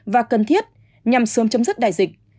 và cần thiết nhằm sớm chấm dứt đại dịch